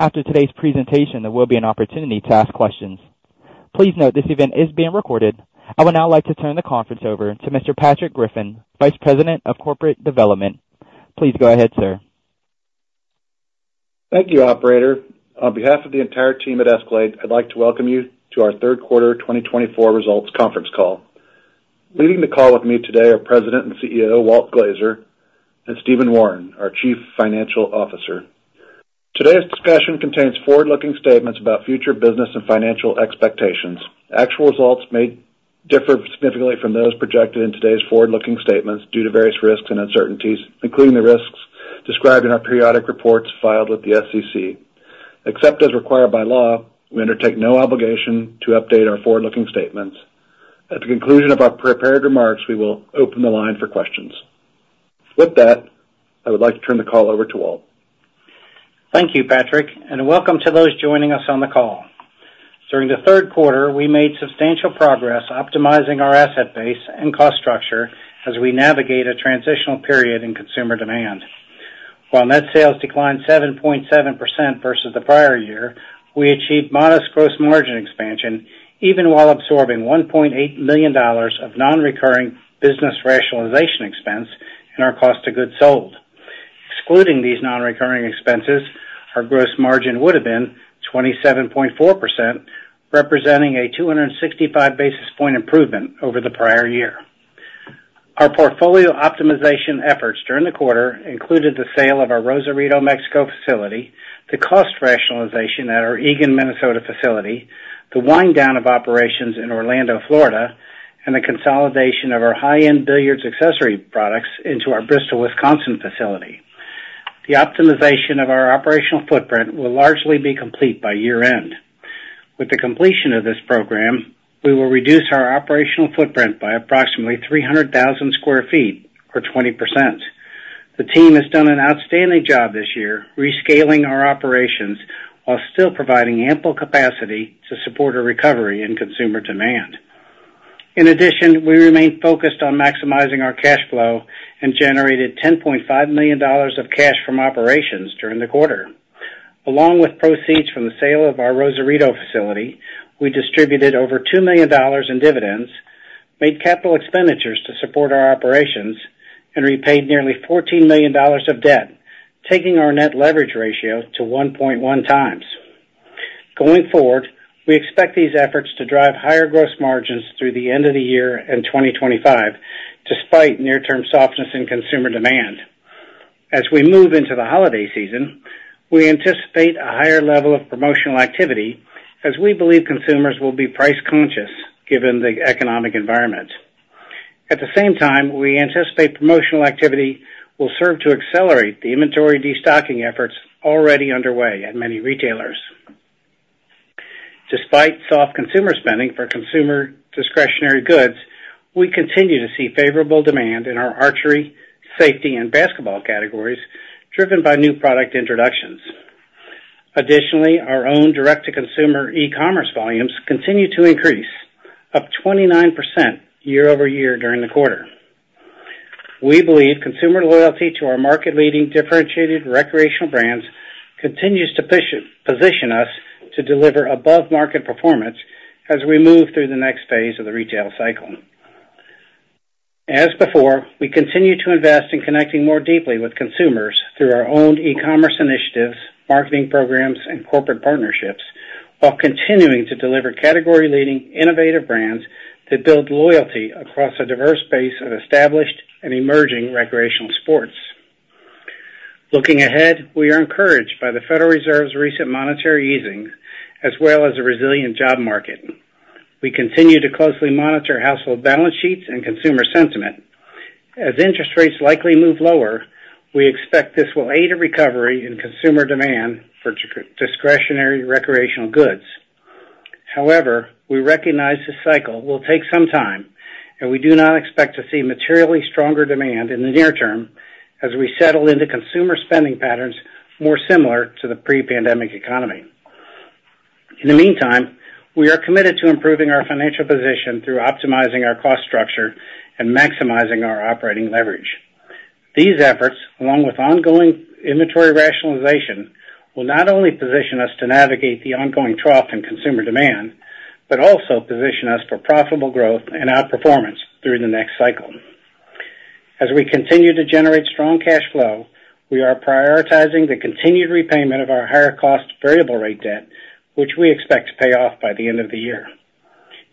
After today's presentation, there will be an opportunity to ask questions. Please note this event is being recorded. I would now like to turn the conference over to Mr. Patrick Griffin, Vice President of Corporate Development. Please go ahead, sir. Thank you, operator. On behalf of the entire team at Escalade, I'd like to welcome you to our third quarter 2024 results conference call. Leading the call with me today are President and CEO, Walt Glazer, and Stephen Wawrin, our Chief Financial Officer. Today's discussion contains forward-looking statements about future business and financial expectations. Actual results may differ significantly from those projected in today's forward-looking statements due to various risks and uncertainties, including the risks described in our periodic reports filed with the SEC. Except as required by law, we undertake no obligation to update our forward-looking statements. At the conclusion of our prepared remarks, we will open the line for questions. With that, I would like to turn the call over to Walt. Thank you, Patrick, and welcome to those joining us on the call. During the third quarter, we made substantial progress optimizing our asset base and cost structure as we navigate a transitional period in consumer demand. While net sales declined 7.7% versus the prior year, we achieved modest gross margin expansion, even while absorbing $1.8 million of non-recurring business rationalization expense in our cost of goods sold. Excluding these non-recurring expenses, our gross margin would have been 27.4%, representing a 265 basis points improvement over the prior year. Our portfolio optimization efforts during the quarter included the sale of our Rosarito, Mexico facility, the cost rationalization at our Eagan, Minnesota facility, the wind down of operations in Orlando, Florida, and the consolidation of our high-end billiards accessory products into our Bristol, Wisconsin facility. The optimization of our operational footprint will largely be complete by year-end. With the completion of this program, we will reduce our operational footprint by approximately 300,000 sq ft, or 20%. The team has done an outstanding job this year, rescaling our operations while still providing ample capacity to support a recovery in consumer demand. In addition, we remain focused on maximizing our cash flow and generated $10.5 million of cash from operations during the quarter. Along with proceeds from the sale of our Rosarito facility, we distributed over $2 million in dividends, made capital expenditures to support our operations, and repaid nearly $14 million of debt, taking our net leverage ratio to 1.1x. Going forward, we expect these efforts to drive higher gross margins through the end of the year in 2025, despite near-term softness in consumer demand. As we move into the holiday season, we anticipate a higher level of promotional activity as we believe consumers will be price conscious given the economic environment. At the same time, we anticipate promotional activity will serve to accelerate the inventory destocking efforts already underway at many retailers. Despite soft consumer spending for consumer discretionary goods, we continue to see favorable demand in our archery, safety, and basketball categories, driven by new product introductions. Additionally, our own direct-to-consumer e-commerce volumes continue to increase, up 29% year over year during the quarter. We believe consumer loyalty to our market-leading, differentiated recreational brands continues to position us to deliver above market performance as we move through the next phase of the retail cycle. As before, we continue to invest in connecting more deeply with consumers through our own e-commerce initiatives, marketing programs, and corporate partnerships, while continuing to deliver category-leading innovative brands that build loyalty across a diverse base of established and emerging recreational sports. Looking ahead, we are encouraged by the Federal Reserve's recent monetary easing, as well as a resilient job market. We continue to closely monitor household balance sheets and consumer sentiment. As interest rates likely move lower, we expect this will aid a recovery in consumer demand for discretionary, recreational goods. However, we recognize the cycle will take some time, and we do not expect to see materially stronger demand in the near term as we settle into consumer spending patterns more similar to the pre-pandemic economy. In the meantime, we are committed to improving our financial position through optimizing our cost structure and maximizing our operating leverage. These efforts, along with ongoing inventory rationalization, will not only position us to navigate the ongoing trough in consumer demand, but also position us for profitable growth and outperformance through the next cycle. As we continue to generate strong cash flow, we are prioritizing the continued repayment of our higher cost variable rate debt, which we expect to pay off by the end of the year.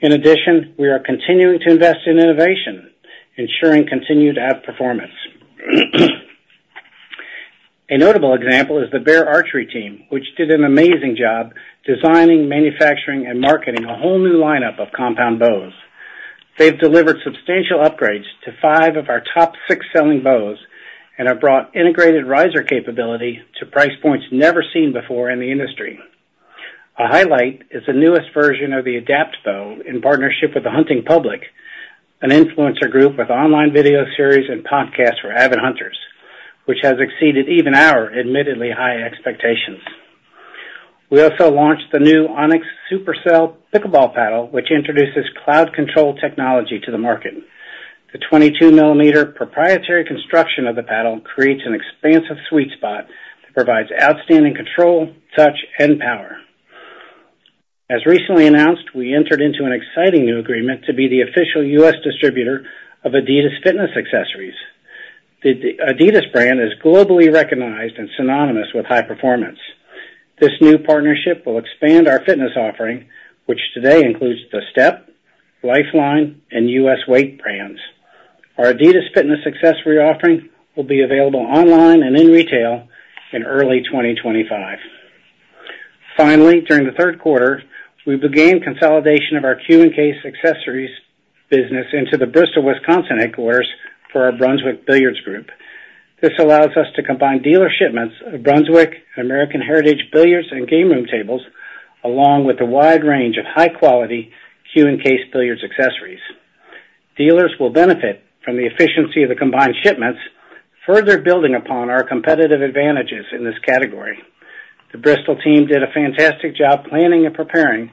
In addition, we are continuing to invest in innovation, ensuring continued outperformance. A notable example is the Bear Archery team, which did an amazing job designing, manufacturing, and marketing a whole new lineup of compound bows. They've delivered substantial upgrades to five of our top six selling bows and have brought integrated riser capability to price points never seen before in the industry. A highlight is the newest version of the Adapt bow, in partnership with The Hunting Public, an influencer group with online video series and podcasts for avid hunters, which has exceeded even our admittedly high expectations. We also launched the new Onix Supercell pickleball paddle, which introduces Cloud Control technology to the market. The 22 mm proprietary construction of the paddle creates an expansive sweet spot that provides outstanding control, touch, and power. As recently announced, we entered into an exciting new agreement to be the official U.S. distributor of Adidas fitness accessories. The Adidas brand is globally recognized and synonymous with high performance. This new partnership will expand our fitness offering, which today includes The Step, Lifeline, and US Weight brands. Our Adidas fitness accessory offering will be available online and in retail in early 2025. Finally, during the third quarter, we began consolidation of our cue and case accessories business into the Bristol, Wisconsin, headquarters for our Brunswick Billiards Group. This allows us to combine dealer shipments of Brunswick and American Heritage Billiards and game room tables, along with a wide range of high-quality cue and case billiards accessories. Dealers will benefit from the efficiency of the combined shipments, further building upon our competitive advantages in this category. The Bristol team did a fantastic job planning and preparing,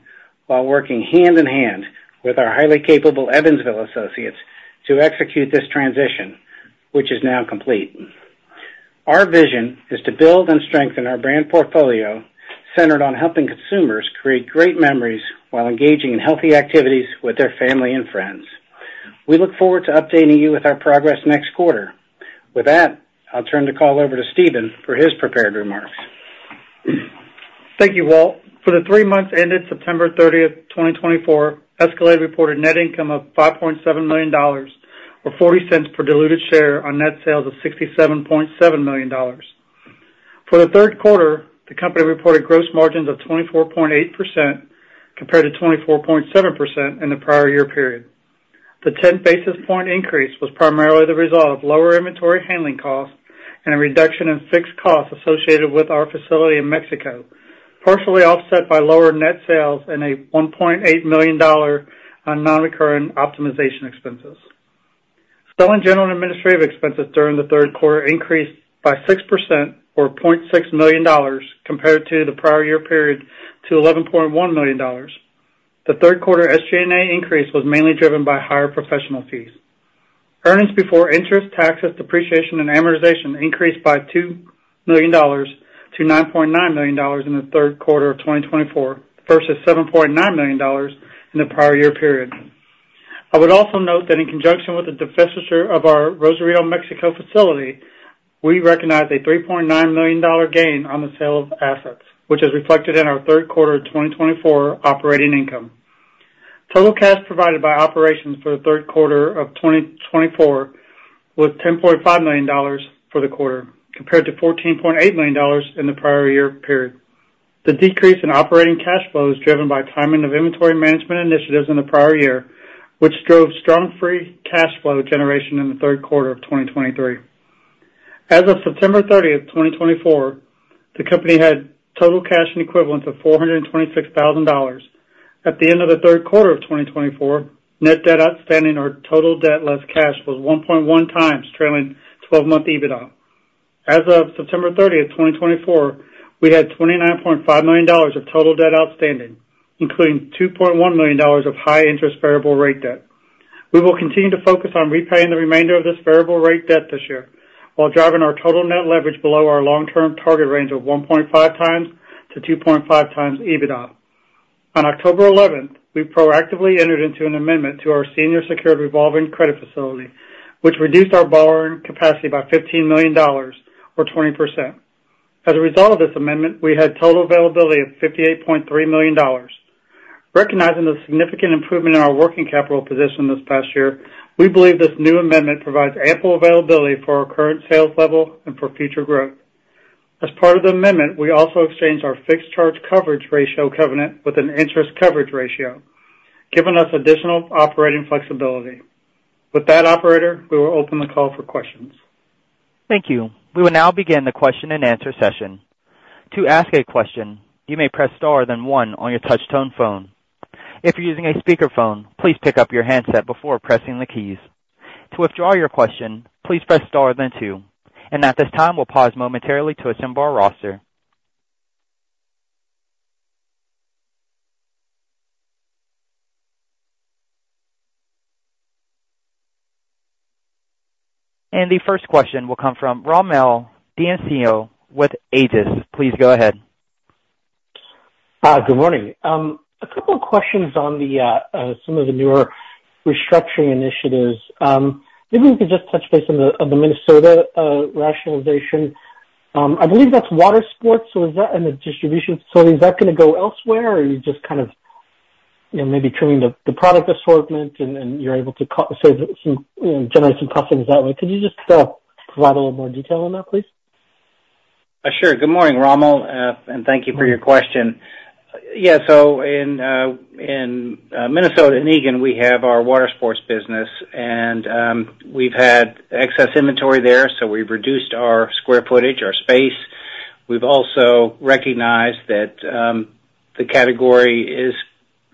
while working hand in hand with our highly capable Evansville associates to execute this transition, which is now complete. Our vision is to build and strengthen our brand portfolio, centered on helping consumers create great memories while engaging in healthy activities with their family and friends. We look forward to updating you with our progress next quarter. With that, I'll turn the call over to Stephen for his prepared remarks. Thank you, Walt. For the three months ended September 30th, 2024, Escalade reported net income of $5.7 million or $0.40 per diluted share on net sales of $67.7 million. For the third quarter, the company reported gross margins of 24.8% compared to 24.7% in the prior year period. The 10 basis point increase was primarily the result of lower inventory handling costs and a reduction in fixed costs associated with our facility in Mexico, partially offset by lower net sales and a $1.8 million in non-recurring optimization expenses. Selling, general, and administrative expenses during the third quarter increased by 6% or $0.6 million compared to the prior year period to $11.1 million. The third quarter SG&A increase was mainly driven by higher professional fees. Earnings before interest, taxes, depreciation, and amortization increased by $2 million to $9.9 million in the third quarter of 2024, versus $7.9 million in the prior year period. I would also note that in conjunction with the divestiture of our Rosarito, Mexico, facility, we recognized a $3.9 million gain on the sale of assets, which is reflected in our third quarter of 2024 operating income. Total cash provided by operations for the third quarter of 2024 was $10.5 million for the quarter, compared to $14.8 million in the prior year period. The decrease in operating cash flow is driven by timing of inventory management initiatives in the prior year, which drove strong free cash flow generation in the third quarter of 2023. As of September 30th, 2024, the company had total cash and equivalents of $426,000. At the end of the third quarter of 2024, net debt outstanding, or total debt less cash, was 1.1x trailing 12-month EBITDA. As of September 30th, 2024, we had $29.5 million of total debt outstanding, including $2.1 million of high-interest variable rate debt. We will continue to focus on repaying the remainder of this variable rate debt this year, while driving our total net leverage below our long-term target range of 1.5x to 2.5x EBITDA. On October 11th, we proactively entered into an amendment to our senior secured revolving credit facility, which reduced our borrowing capacity by $15 million or 20%. As a result of this amendment, we had total availability of $58.3 million. Recognizing the significant improvement in our working capital position this past year, we believe this new amendment provides ample availability for our current sales level and for future growth. As part of the amendment, we also exchanged our fixed charge coverage ratio covenant with an interest coverage ratio, giving us additional operating flexibility. With that, operator, we will open the call for questions. Thank you. We will now begin the question-and-answer session. To ask a question, you may press star, then one on your touch-tone phone. If you're using a speakerphone, please pick up your handset before pressing the keys. To withdraw your question, please press star then two, and at this time, we'll pause momentarily to assemble our roster, and the first question will come from Rommel Dionisio with Aegis. Please go ahead. Good morning. A couple of questions on some of the newer restructuring initiatives. Maybe you could just touch base on the Minnesota rationalization. I believe that's water sports, so is that in the distribution? So is that gonna go elsewhere, or are you just kind of, you know, maybe trimming the product assortment and you're able to save some, you know, generate some cost savings that way? Could you just provide a little more detail on that, please? Sure. Good morning, Rommel, and thank you for your question. Yeah, so in Minnesota, in Eagan, we have our water sports business, and we've had excess inventory there, so we've reduced our square footage, our space. We've also recognized that the category is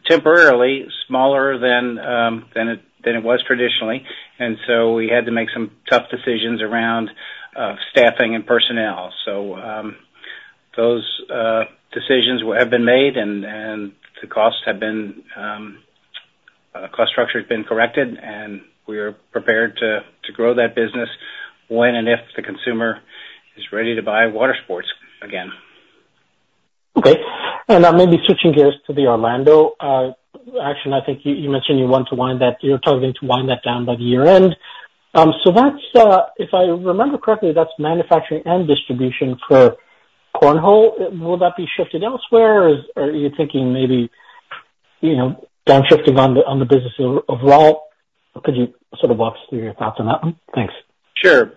temporarily smaller than it was traditionally, and so we had to make some tough decisions around staffing and personnel. Those decisions have been made, and the cost structure has been corrected, and we are prepared to grow that business when and if the consumer is ready to buy water sports again. Okay. Now maybe switching gears to the Orlando action. I think you mentioned you want to wind that down. You're targeting to wind that down by the year end. So that's, if I remember correctly, that's manufacturing and distribution for cornhole. Will that be shifted elsewhere, or are you thinking maybe, you know, downshifting on the business overall? Could you sort of walk us through your thoughts on that one? Thanks. Sure.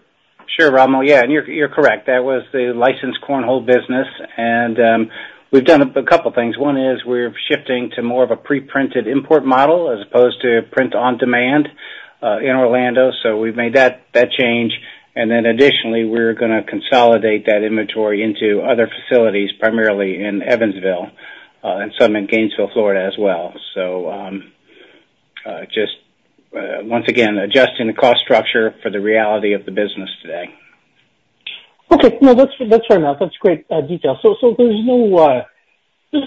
Sure, Rommel. Yeah, and you're correct. That was the licensed cornhole business, and we've done a couple things. One is we're shifting to more of a pre-printed import model as opposed to print on demand in Orlando, so we've made that change. And then additionally, we're gonna consolidate that inventory into other facilities, primarily in Evansville, and some in Gainesville, Florida, as well. So just once again, adjusting the cost structure for the reality of the business today. Okay. No, that's, that's fair enough. That's great detail. So, there's no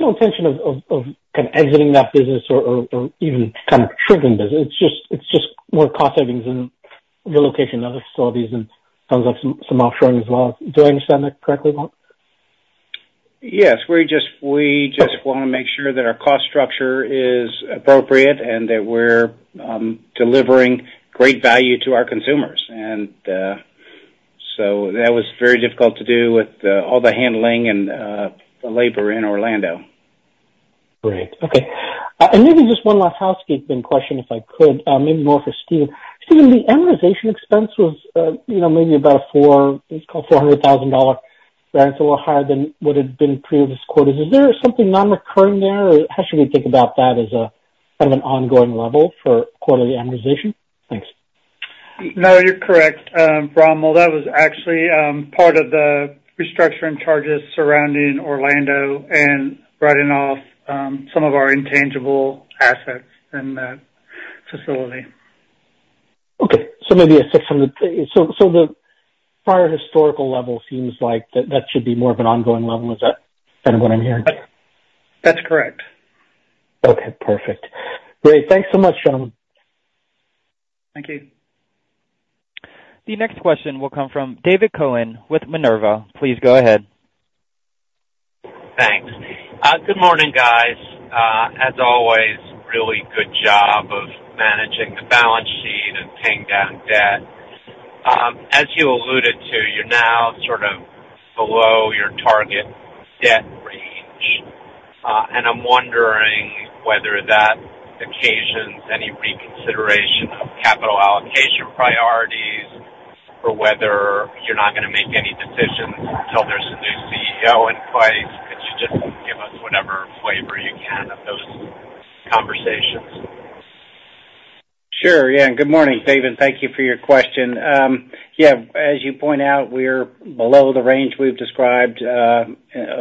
intention of kind of exiting that business or even kind of shrinking business? It's just more cost savings and relocation of other facilities and comes up some offshoring as well. Do I understand that correctly, Walt? Yes, we just wanna make sure that our cost structure is appropriate and that we're delivering great value to our consumers. And so that was very difficult to do with all the handling and the labor in Orlando. Great. Okay. And maybe just one last housekeeping question, if I could, maybe more for Steve. Stephen, the amortization expense was, you know, maybe about four, let's call $400,000, perhaps a little higher than would have been previous quarters. Is there something non-recurring there, or how should we think about that as a, kind of, an ongoing level for quarterly amortization? Thanks. No, you're correct, Rommel. That was actually part of the restructuring charges surrounding Orlando and writing off some of our intangible assets in that facility. Okay, so maybe a sixth from the, so the prior historical level seems like that should be more of an ongoing level. Is that kind of what I'm hearing? That's correct. Okay, perfect. Great. Thanks so much, gentlemen. Thank you. The next question will come from David Cohen with Minerva. Please go ahead. Thanks. Good morning, guys. As always, really good job of managing the balance sheet and paying down debt. As you alluded to, you're now sort of below your target debt range, and I'm wondering whether that occasions any reconsideration of capital allocation priorities, or whether you're not gonna make any decisions until there's a new CEO in place. Could you just give us whatever flavor you can of those conversations? Sure. Yeah, and good morning, David. Thank you for your question. Yeah, as you point out, we're below the range we've described, of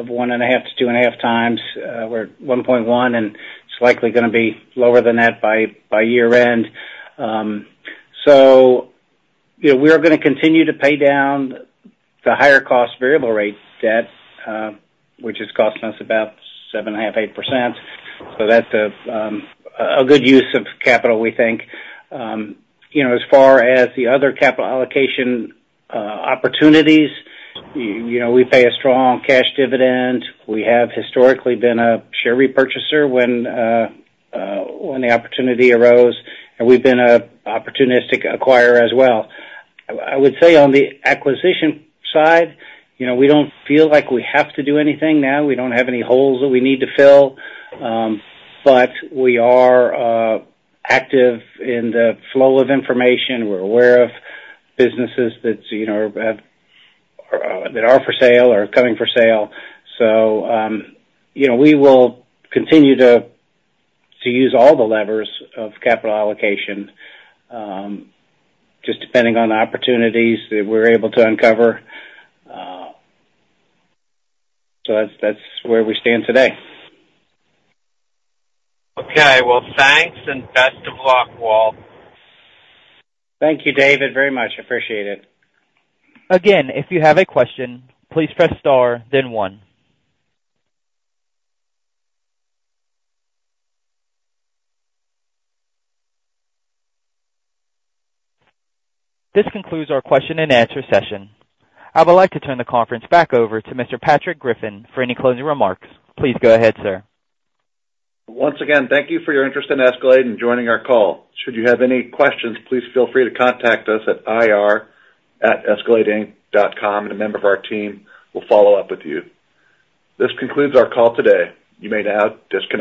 1.5x to 2.5x. We're at 1.1x, and it's likely gonna be lower than that by year end. So yeah, we are gonna continue to pay down the higher cost variable rate debt, which is costing us about 7.5%-8%. So that's a good use of capital, we think. You know, as far as the other capital allocation opportunities, you know, we pay a strong cash dividend. We have historically been a share repurchaser when the opportunity arose, and we've been an opportunistic acquirer as well. I would say on the acquisition side, you know, we don't feel like we have to do anything now. We don't have any holes that we need to fill, but we are active in the flow of information. We're aware of businesses that, you know, are for sale or coming for sale. So, you know, we will continue to use all the levers of capital allocation, just depending on the opportunities that we're able to uncover. So that's where we stand today. Okay, well, thanks, and best of luck, Walt. Thank you, David, very much. Appreciate it. Again, if you have a question, please press star then one. This concludes our question-and-answer session. I would like to turn the conference back over to Mr. Patrick Griffin for any closing remarks. Please go ahead, sir. Once again, thank you for your interest in Escalade and joining our call. Should you have any questions, please feel free to contact us at ir@escaladeinc.com, and a member of our team will follow up with you. This concludes our call today. You may now disconnect.